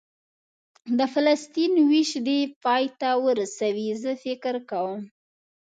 د فلسطین وېش دې پای ته ورسوي، زه فکر کوم.